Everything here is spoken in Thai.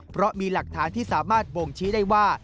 เพราะมีหลักฐานที่สามารถบ่งชี้ได้ว่า